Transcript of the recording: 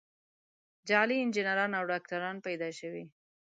جعلي انجینران او ډاکتران پیدا شوي.